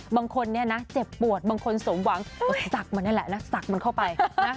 บางคนเนี่ยนะเจ็บปวดบางคนสมหวังก็สักมันนี่แหละแล้วสักมันเข้าไป